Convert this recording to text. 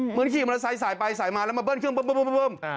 เหมือนขี่มันใส่ไปใส่มาแล้วมาเปิ้ลเครื่อง